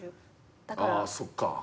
あそっか。